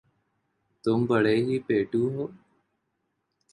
تم بڑے ہی پیٹُو ہو